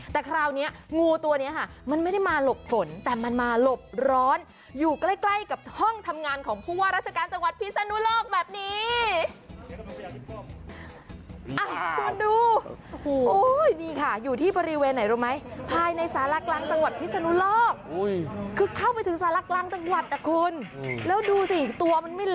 แต่คราวนี้งูตัวนี้ค่ะมันไม่ได้มาหลบฝนแต่มันมาหลบร้อนอยู่ใกล้กับห้องทำงานของผู้ว่าราชการจังหวัดพิศนุโลกแบบนี้